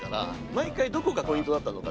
毎回どこがポイントだったのか。